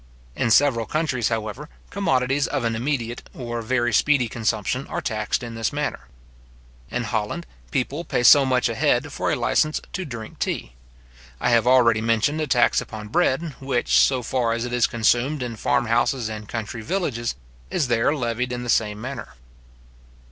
In several countries, however, commodities of an immediate or very speedy consumption are taxed in this manner. In Holland, people pay so much a head for a licence to drink tea. I have already mentioned a tax upon bread, which, so far as it is consumed in farm houses and country villages, is there levied in the same manner.